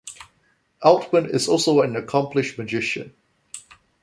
Altman is also an accomplished magician.